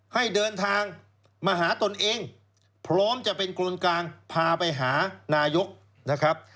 ให้เดินทางมาหาตนเองพร้อมจะเป็นคนกลางพาไปหานายกนะครับ